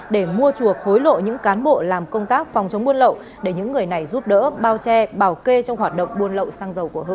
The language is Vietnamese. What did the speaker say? để mua chuộc khối lượng những cán bộ làm công tác phòng chống buôn lậu để những người này giúp đỡ bao che bảo kê trong hoạt động buôn lậu xăng dầu của họ